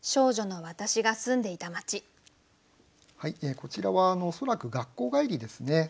こちらは恐らく学校帰りですね。